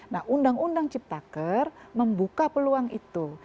nah undang undang ciptaker membuka peluang itu